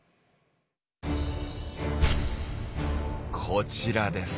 こちらです。